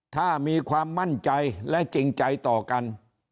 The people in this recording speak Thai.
ถ้ามีความมั่นใจและจริงใจต่อกัน